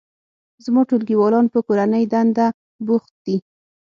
زما ټولګیوالان په کورنۍ دنده بوخت دي